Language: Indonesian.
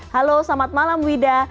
halo selamat malam wida